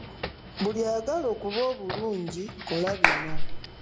Buli ayagala okuba obulungi kola bino.